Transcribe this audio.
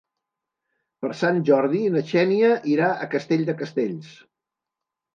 Per Sant Jordi na Xènia irà a Castell de Castells.